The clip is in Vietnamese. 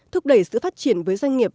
thúc đẩy sự phát triển với doanh nghiệp